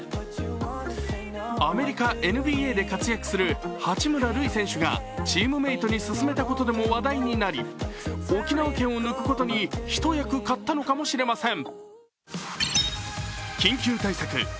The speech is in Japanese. アメリカＮＢＡで活躍する八村塁選手がチームメートに薦めたことでも話題になり、沖縄県を抜くことに一役買ったのかもしれません。